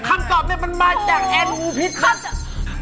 คำตอบเนี่ยมันมาจากแอร์งูพิษครับ